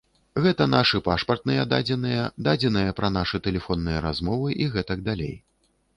Гэта нашы пашпартныя дадзеныя, дадзеныя пра нашы тэлефонныя размовы і гэтак далей.